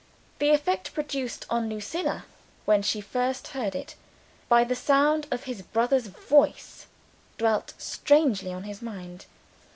The effect produced on Lucilla (when she first heard it) by the sound of his brother's voice, dwelt strangely on his mind.